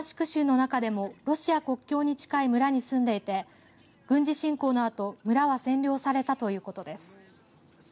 州の中でもロシア国境に近い村に住んでいて軍事侵攻のあと村は占領されたということです。